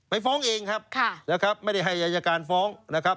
ไปฟ้องเองครับไม่ได้ให้รายการฟ้อง